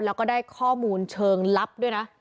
แล้วก็ได้ข้อมูลเชิงลับด้วยนะ